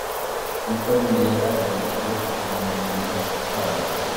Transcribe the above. Uko ngeragejwe andinda satani